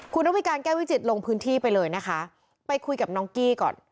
คุณระวิการแก้วิจิตรลงพื้นที่ไปเลยนะคะไปคุยกับน้องกี้ก่อน